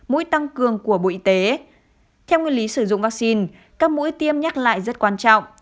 mũi tăng cường của bộ y tế theo nguyên lý sử dụng vaccine các mũi tiêm nhắc lại rất quan trọng